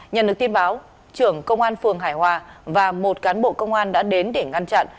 nhận được tin báo trưởng công an phường hải hòa và một cán bộ công an đã đến để ngăn chặn